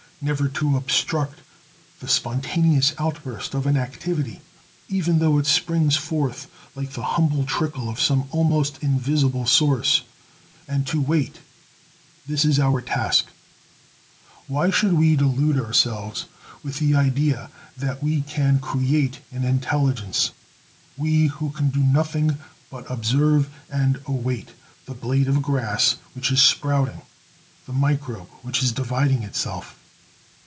"Never to obstruct the spontaneous outburst of an activity, even though it springs forth like the humble trickle of some almost invisible source," and "to wait" this is our task. Why should we delude ourselves with the idea that we can "create an intelligence," we who can do nothing but "observe and await" the blade of grass which is sprouting, the microbe which is dividing itself?